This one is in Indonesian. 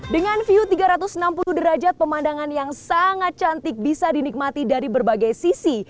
dengan view tiga ratus enam puluh derajat pemandangan yang sangat cantik bisa dinikmati dari berbagai sisi